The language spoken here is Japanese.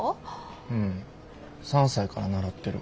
うん３歳から習ってる。